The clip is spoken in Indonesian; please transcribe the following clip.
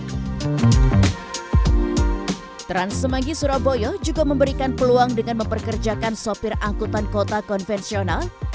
trans semanggi surabaya juga memberikan peluang dengan memperkerjakan sopir angkutan kota konvensional